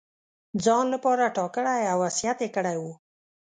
ځان لپاره ټاکلی او وصیت یې کړی وو.